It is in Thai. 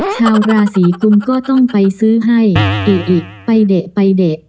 ชาวราศีกุมก็ต้องไปซื้อให้อิอิไปเดะไปเดะ